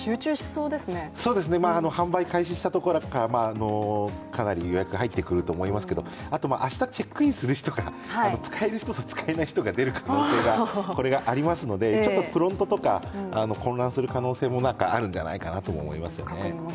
そうですね、販売開始したところからかなり予約入ってくると思いますけどあと明日チェックインする人が、使える人と使えない人が出る可能性がありますのでフロントとか混乱する可能性もあるんじゃないかとも思いますね。